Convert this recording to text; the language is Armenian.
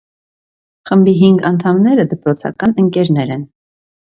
Խմբի հինգ անդամները դպրոցական ընկերներ են։